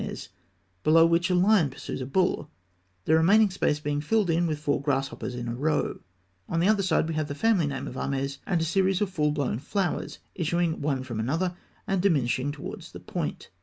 On one side is the solar cartouche of Ahmes, below which a lion pursues a bull, the remaining space being filled in with four grasshoppers in a row. On the other side we have the family name of Ahmes and a series of full blown flowers issuing one from another and diminishing towards the point.